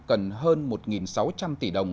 cần hơn một sáu trăm linh tỷ đồng